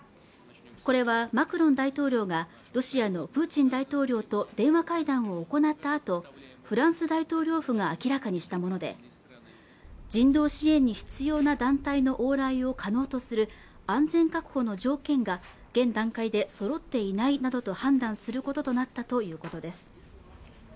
これはマクロン大統領がロシアのプーチン大統領と電話会談を行ったあとフランス大統領府が明らかにしたもので人道支援に必要な団体の往来を可能とする安全確保の条件が現段階で揃っていないなどと判断することとなったということです